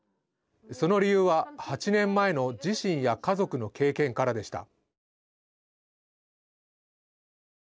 その理由は、８年前の自身や家族の経験からでした。